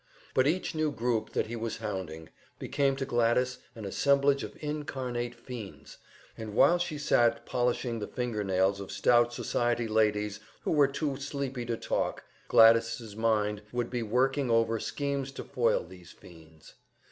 But each new group that he was hounding became to Gladys an assemblage of incarnate fiends, and while she sat polishing the finger nails of stout society ladies who were too sleepy to talk, Gladys' busy mind would be working over schemes to foil these fiends.